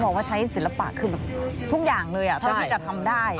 บอกว่าใช้ศิลปะคือแบบทุกอย่างเลยเท่าที่จะทำได้